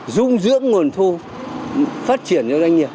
dung dưỡng nguồn thu phát triển cho doanh nghiệp